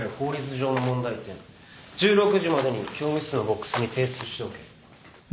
１６時までに教務室のボックスに提出しておけ。